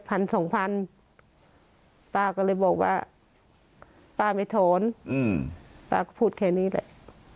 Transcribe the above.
ป้าก็เลยบอกว่าป้าไม่ถอนอืมป้าก็พูดแค่นี้แหละ